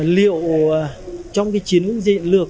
liệu trong cái chiến ứng diện lược